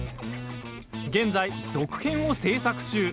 現在、続編を制作中。